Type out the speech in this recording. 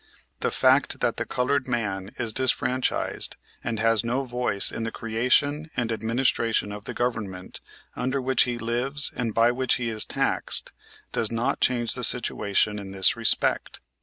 The fact that the colored man is disfranchised and has no voice in the creation and administration of the government under which he lives and by which he is taxed does not change the situation in this respect.